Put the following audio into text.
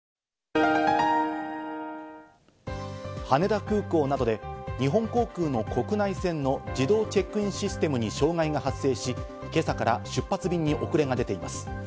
羽田空港などで日本航空の国内線の自動チェックインシステムに障害が発生し、今朝から出発便に遅れが出ています。